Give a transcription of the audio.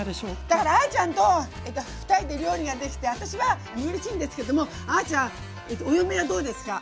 だからあちゃんと２人で料理ができて私はうれしいんですけどもあちゃんお嫁はどうですか？